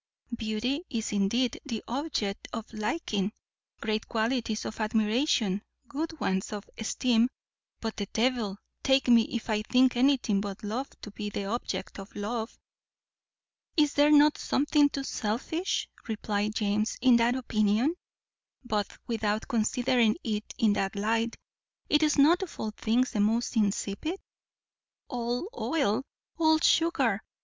Beauty is indeed the object of liking, great qualities of admiration, good ones of esteem; but the devil take me if I think anything but love to be the object of love." "Is there not something too selfish," replied James, "in that opinion? but, without considering it in that light, is it not of all things the most insipid? all oil! all sugar!